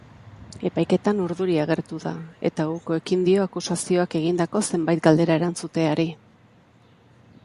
Epaiketan urduri agertu da eta uko egin dio akusazioak egindako zenbait galdera erantzuteari.